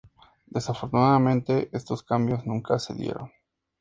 Desafortunadamente estos cambios nunca se dieron.